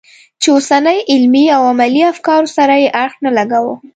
چې د اوسني علمي او عملي افکارو سره یې اړخ نه لګاوه.